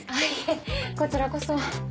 いえこちらこそ。